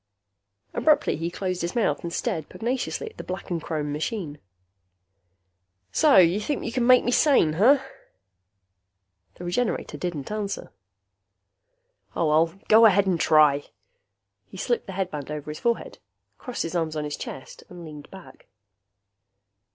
Abruptly he closed his mouth and stared pugnaciously at the black and chrome machine. "So you think you can make me sane, huh?" The Regenerator didn't answer. "Oh, well, go ahead and try." He slipped the headband over his forehead, crossed his arms on his chest and leaned back.